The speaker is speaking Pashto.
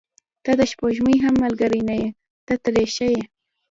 • ته د سپوږمۍ هم ملګرې نه یې، ته ترې ښه یې.